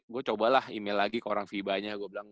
gua cobalah email lagi ke orang vibanya gua bilang